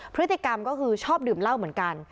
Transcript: พฤติกรรมก็คือชอบดื่มเหล้าเหมือนกัน